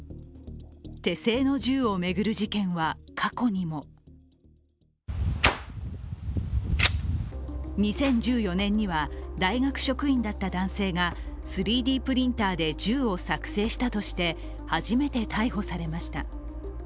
手製の銃を巡る事件は過去にも２０１４年には、大学職員だった男性が３Ｄプリンターで銃を作成したとして初めて逮捕されました。